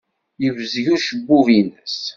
Yebzeg ucebbub-nnes.